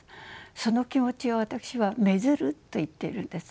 その気持ちを私は「愛づる」と言っているんです。